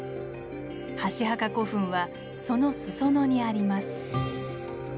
箸墓古墳はその裾野にあります。